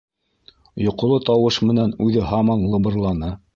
Йоҡоло тауыш менән үҙе һаман лыбырланы: